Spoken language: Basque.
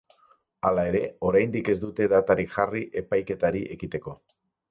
Hala ere, oraindik ez dute datarik jarri epaiketari ekiteko.